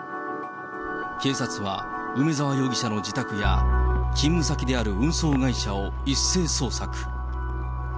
警察は、梅沢容疑者の自宅や、勤務先である運送会社を一斉捜索。